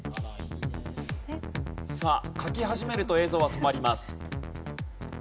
さあ書き始めると映像は止まります。